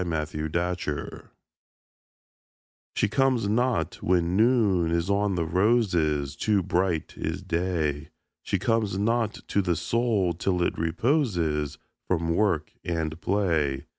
Y Z She Comes Not She comes not when Noon is on the roses Too bright is Day. She comes not to the Soul till it reposes From work and play.